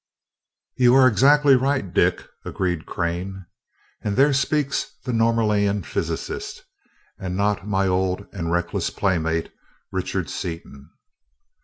"You are exactly right, Dick," agreed Crane. "And there speaks the Norlaminian physicist, and not my old and reckless playmate Richard Seaton."